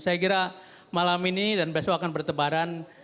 saya kira malam ini dan besok akan bertebaran